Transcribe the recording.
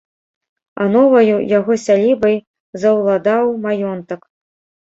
А новаю яго сялібай заўладаў маёнтак.